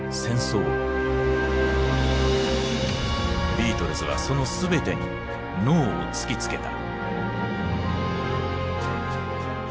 ビートルズはその全てに「ＮＯ」を突きつけた。